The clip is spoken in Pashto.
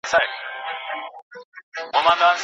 څومره چې کولای شئ ګټه ترې واخلئ.